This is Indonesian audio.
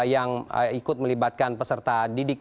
yang ikut melibatkan peserta didik